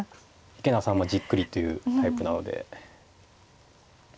池永さんはじっくりというタイプなので。